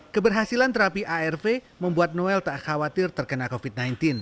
keberhasilan terapi arv membuat noel tak khawatir terkena covid sembilan belas